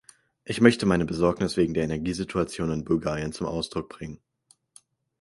Ich möchte meine Besorgnis wegen der Energiesituation in Bulgarien zum Ausdruck bringen.